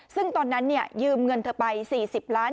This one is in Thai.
ซึ่งตอนนั้นยืมเงินเธอไป๔๐ล้าน